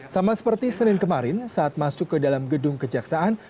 sama seperti senin kemarin saat masuk ke dalam gedung kejaksaan